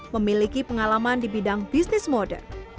memiliki pengalaman di bidang bisnis modern